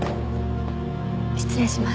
失礼します。